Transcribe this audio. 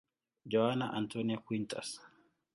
Joana Antónia Quintas.